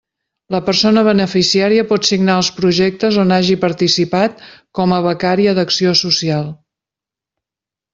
La persona beneficiària pot signar els projectes on hagi participat com a becària d'acció social.